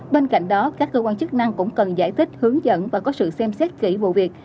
bên cạnh đó các cơ quan chức năng cũng cần giải thích hướng dẫn và có sự xem xét kỹ vụ việc